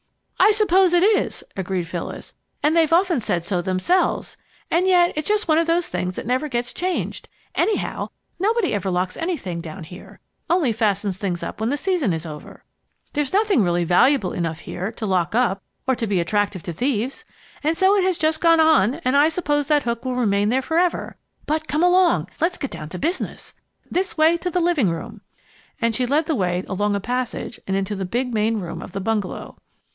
"I suppose it is," agreed Phyllis, "and they've often said so themselves. And yet it's just one of those things that never gets changed. Anyhow, nobody ever locks anything down here, only fastens things up when the season is over. There's really nothing valuable enough here to lock up or to be attractive to thieves. And so it has just gone on, and I suppose that hook will remain there forever! But come along! Let's get down to business. This way to the living room!" and she led the way along a passage and into the big main room of the bungalow.